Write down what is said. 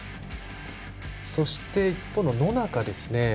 そして、一方の野中です。